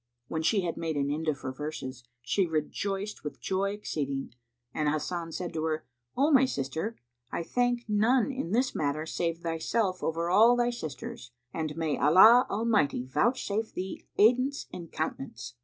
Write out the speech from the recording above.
When she had made an end of her verses, she rejoiced with joy exceeding and Hasan said to her, "O my sister, I thank none in this matter save thyself over all thy sisters, and may Allah Almighty vouchsafe thee aidance and countenance!"